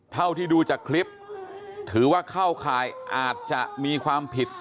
เท่าที่ดูจากคลิปถือว่าเข้าข่ายอาจจะมีความผิด